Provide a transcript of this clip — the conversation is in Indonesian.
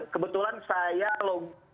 kebetulan saya masuk ke sistem itu